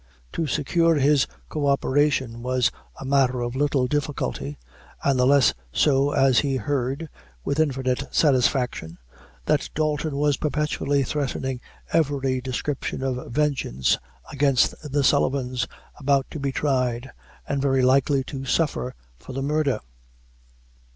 To secure his co operation was a matter of little or difficulty, and the less so as he heard, with infinite satisfaction, that Dalton was perpetually threatening every description of vengeance against the Sullivans, about to be tried, and very likely to suffer for the murder.